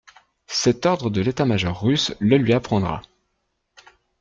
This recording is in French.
Cet ordre de l'état-major russe le lui apprendra.